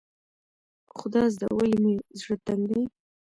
خدازده ولې مې زړه تنګ دی.